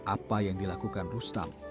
apa yang dilakukan rustam